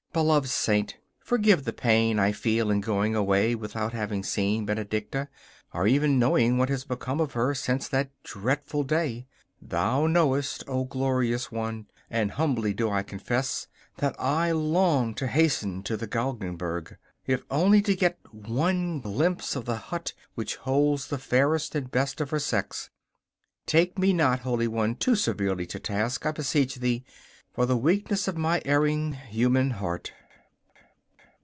Beloved Saint, forgive the pain I feel in going away without having seen Benedicta, or even knowing what has become of her since that dreadful day. Thou knowest, O glorious one, and humbly do I confess, that I long to hasten to the Galgenberg, if only to get one glimpse of the hut which holds the fairest and best of her sex. Take me not, holy one, too severely to task, I beseech thee, for the weakness of my erring human heart!